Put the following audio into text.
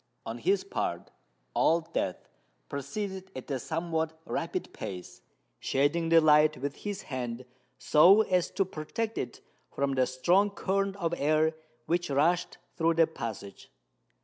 On his part, Old Death proceeded at a somewhat rapid pace, shading the light with his hand so as to protect it from the strong current of air which rushed through the passage.